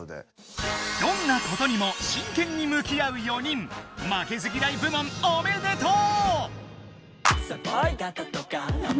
どんなことにもしんけんにむき合う４人負けず嫌い部門おめでとう！